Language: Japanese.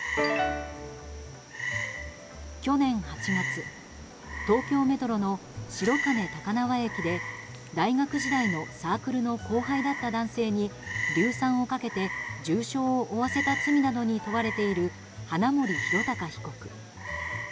去年８月東京メトロの白金高輪駅で大学時代のサークルの後輩だった男性に硫酸をかけて重傷を負わせた罪などに問われている花森弘卓被告。